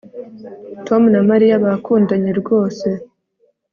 Tom na Mariya bakundanye rwose